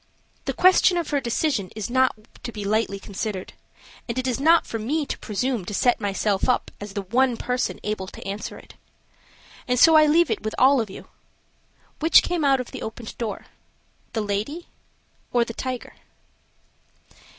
The question of her decision is one not to be lightly considered, and it is not for me to presume to set myself up as the one person able to answer it. And so I leave it with all of you: Which came out of the opened door, the lady, or the tiger?